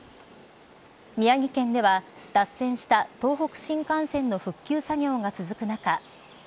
宮城県では脱線した東北新幹線の復旧作業が続く中